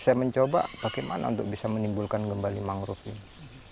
saya mencoba bagaimana untuk bisa menimbulkan kembali mangrove ini